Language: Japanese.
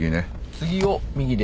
次を右で。